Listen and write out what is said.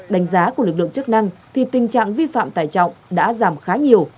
đánh giá của lực lượng chức năng thì tình trạng vi phạm tải trọng đã giảm khá nhiều